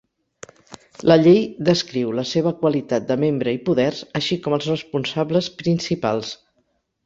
La llei descriu la seva qualitat de membre i poders, així com els responsables principals.